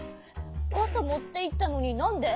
かさもっていったのになんで？